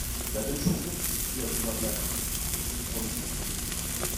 La belle saison! s’écria Thomas Black, haussant les épaules.